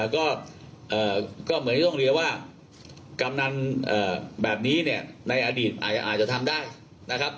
ก็เหมือนที่ต้องเรียกว่ากำนันแบบนี้เนี่ยในอดีตอาจจะทำได้นะครับ